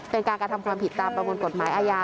เป็นการกระทำความผิดตามประมวลกฎหมายอาญา